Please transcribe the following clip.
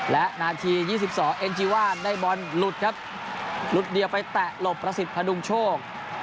และนาที๒๒เอ็นจีว่าได้บอลหลุดครับหลุดเดียวไปแตะหลบประสิทธิพดุงโชค